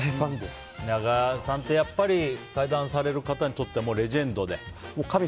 稲川さんって、やっぱり怪談される方にはレジェンドで？